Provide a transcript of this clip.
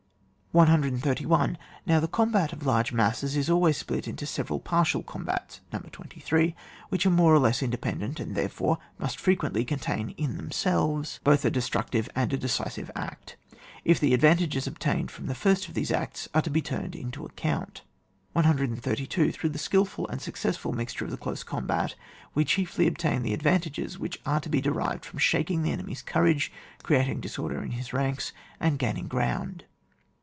131. Now the combat of large masses is always split into several partial com bats (No. 23) which are more or less in dependent, and therefore must frequently contain in themselves both a destructive 138 ON WAR and a decisive act, if the advantages obtained from the first of these acts are to be turned to account. 132. Through the skUful and success fill mixture of the close combat, we chiefly obtain the advantages which are to be derived from shaking the enemy's courage, creating disorder in his ranks, and gain ing ground.